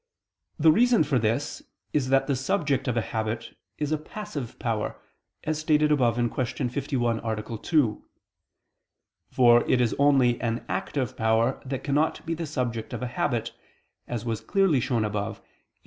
The reason for this is that the subject of a habit is a passive power, as stated above (Q. 51, A. 2): for it is only an active power that cannot be the subject of a habit, as was clearly shown above (Q.